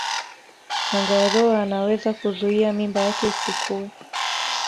kangaroo anaweza kuzuia mimba yake isikue